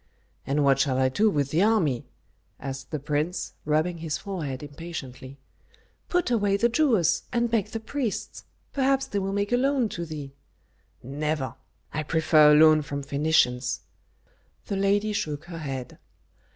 "And what shall I do with the army?" asked the prince, rubbing his forehead impatiently. "Put away the Jewess, and beg the priests. Perhaps they will make a loan to thee." "Never! I prefer a loan from Phœnicians." The lady shook her head.